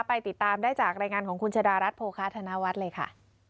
ติดตามได้จากรายงานของคุณชะดารัฐโภคาธนวัฒน์เลยค่ะ